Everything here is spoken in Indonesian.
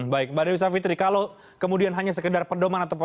baik mbak dewi savitri kalau kemudian hanya sekedar pendoman atau penentuan